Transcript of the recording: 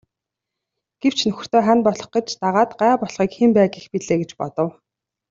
Гэвч нөхөртөө хань болох гэж дагаад гай болохыг хэн байг гэх билээ гэж бодов.